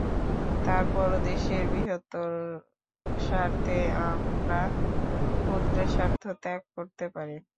তার পরও দেশের বৃহত্তর স্বার্থে আমরা ক্ষুদ্র স্বার্থ ত্যাগ করতে পারি।